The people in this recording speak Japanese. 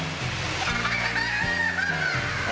ハハハハ！